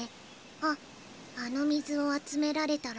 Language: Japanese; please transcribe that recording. あっあのみずをあつめられたら。